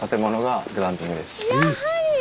やはり！